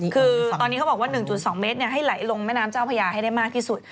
คือตอนนี้เขาบอกว่า๑๒เมตรให้ไหลลงแม่น้ำเจ้าพญาให้ได้มากที่สุด